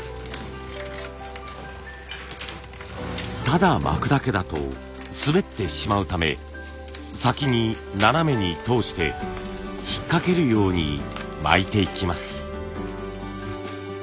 ただ巻くだけだと滑ってしまうため先に斜めに通して引っ掛けるように巻いていきます。